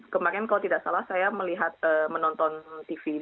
kemarin kalau tidak salah saya melihat menonton tv